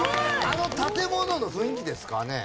あの建物の雰囲気ですかね？